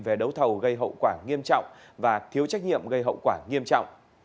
về đấu thầu gây hậu quả nghiêm trọng